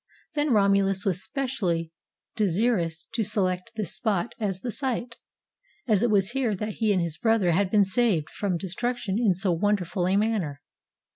Then Romulus was specially de sirous to select this spot as the site, as it was here that he and his brother had been saved from destruction in so wonderful a manner.